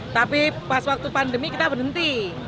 tapi pas waktu pandemi kita berhenti